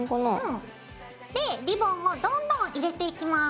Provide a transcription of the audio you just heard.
でリボンをどんどん入れていきます。